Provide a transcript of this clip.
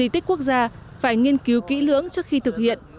các quốc gia phải nghiên cứu kỹ lưỡng trước khi thực hiện